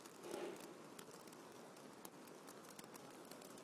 Kostel měl být někdy po tomto roce přestavěn.